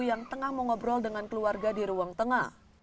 yang tengah mengobrol dengan keluarga di ruang tengah